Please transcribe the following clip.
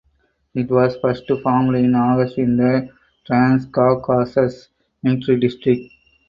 It was first formed in August in the Transcaucasus Military District.